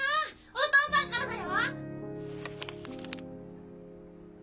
お父さんからだよ・